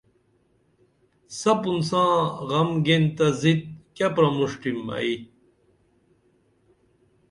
سپُن ساں غم گین تہ زِت کیہ پرمُݜٹِم ائی